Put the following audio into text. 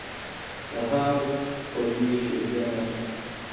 سهار د خوږې شېبې نښه ده.